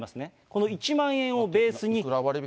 この１万円をベースに。